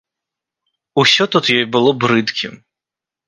Усё тут ёй было брыдкім.